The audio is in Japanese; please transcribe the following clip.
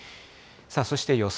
そして予想